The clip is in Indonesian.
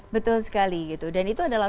betul sekali gitu dan itu adalah